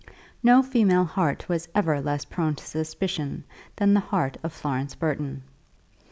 No female heart was ever less prone to suspicion than the heart of Florence Burton.